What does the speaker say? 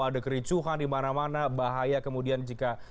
ada kericuhan di mana mana bahaya kemudian jika